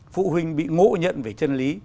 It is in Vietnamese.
phụ huynh bị ngộ nhận về chân lý